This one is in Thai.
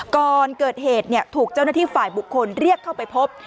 ก่อนเกิดเหตุถูกเจ้าหน้าที่ฝ่ายบุคคลเรียกเข้าไปพบ